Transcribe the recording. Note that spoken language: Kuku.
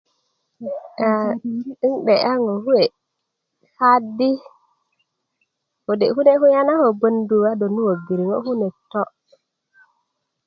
aa 'nde'ya ŋo' kuwe kadi kode' kune kulya na ko 'bödu a do nu wögiri ŋo' kunök to